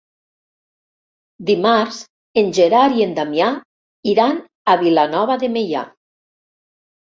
Dimarts en Gerard i en Damià iran a Vilanova de Meià.